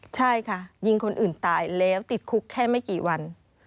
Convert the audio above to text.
ใช่ค่ะยิงคนอื่นตายแล้วติดคุกแค่ไม่กี่วัน